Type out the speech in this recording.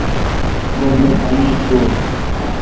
بب لو کھن ایچ چویہ۔